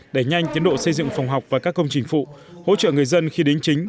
đẩy nhanh tiến độ xây dựng phòng học và các công trình phụ hỗ trợ người dân khi đính chính